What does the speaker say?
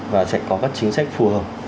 và sẽ có các chính sách phù hợp